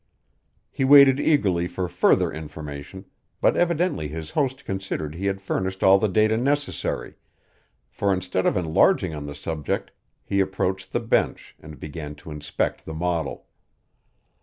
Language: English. He waited eagerly for further information, but evidently his host considered he had furnished all the data necessary, for instead of enlarging on the subject he approached the bench and began to inspect the model.